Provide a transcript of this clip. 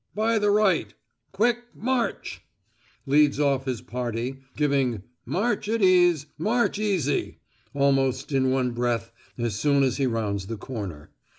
By the right, Quick march!" leads off his party, giving "March at ease, march easy!" almost in one breath as soon as he rounds the corner.